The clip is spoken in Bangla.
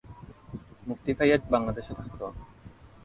মুক্তি পেয়ে বাংলাদেশে থাকতেন।